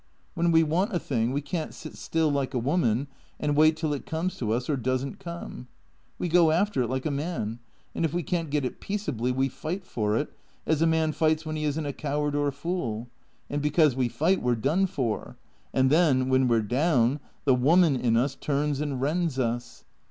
When we want a thing we can't sit still like a woman and wait till it comes to us, or does n't come. We go after it like a man ; and if we can't get it peaceably we fight for it, as a man fights when he is n't a coward or a fool. And because we fight we 're done for. And then, when we 're down, the woman in us turns and rends us.